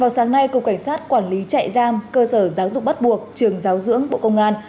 sáng nay cục cảnh sát quản lý trại giam cơ sở giáo dục bắt buộc trường giáo dưỡng bộ công an